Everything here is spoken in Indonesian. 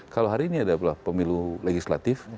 kalau hari ini ada pilihan legislatif